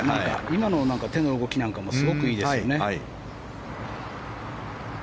今の手の動きなんかもすごくいいですね。